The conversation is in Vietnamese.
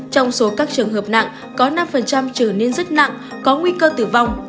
trong số các trường hợp nặng có năm trở nên rất nặng có nguy cơ tử vong